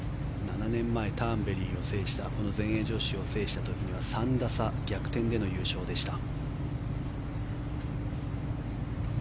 ７年前ターンベリーを制したこの全英女子を制した時には３打差、逆転での優勝でした。